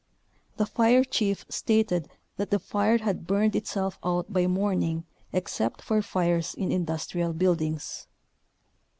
The fire chief stated that the fire had burned itself out by morning except for fires in industrial buildings.